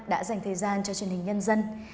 đã dành thời gian cho truyền hình nhân dân